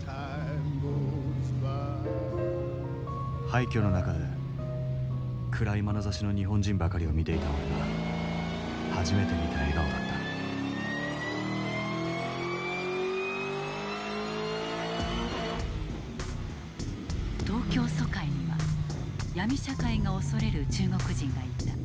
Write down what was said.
廃虚の中で暗いまなざしの日本人ばかりを見ていた俺が初めて見た笑顔だった東京租界にはヤミ社会が恐れる中国人がいた。